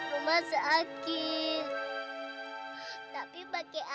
bunda nari jangan pergi